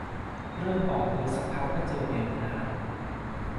เริ่มออกเรือซักพักก็เจอแมวน้ำ